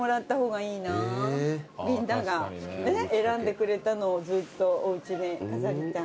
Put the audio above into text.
みんながねっ選んでくれたのをずっとおうちに飾りたい。